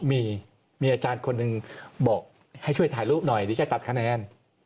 มีอาจารย์คนหนึ่งบอกให้ช่วยถ่ายรูปหน่อยเดี๋ยวจะตัดคะแนน